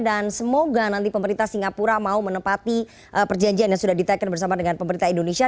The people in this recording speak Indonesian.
dan semoga nanti pemerintah singapura mau menempati perjanjian yang sudah ditekan bersama dengan pemerintah indonesia